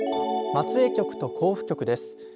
松江局と甲府局です。